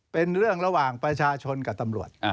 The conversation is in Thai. เป็นเรื่องระหว่างประชาชนกับตำรวจ